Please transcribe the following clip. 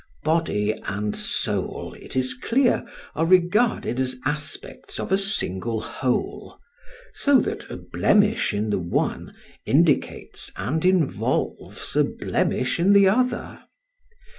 Body and soul, it is clear, are regarded as aspects of a single whole, so that a blemish in the one indicates and involves a blemish in the other.